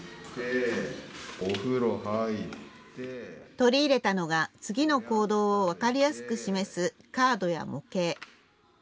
取り入れたのが次の行動を分かりやすく示すカードや模型。